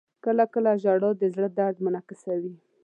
• کله کله ژړا د زړه درد منعکسوي.